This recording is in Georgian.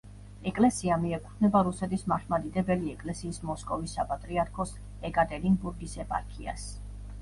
ეკლესია მიეკუთვნება რუსეთის მართლმადიდებელი ეკლესიის მოსკოვის საპატრიარქოს ეკატერინბურგის ეპარქიას.